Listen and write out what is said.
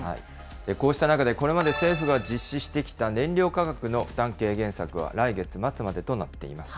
こうした中で、これまで政府が実施してきた燃料価格の負担軽減策は、来月末までとなっています。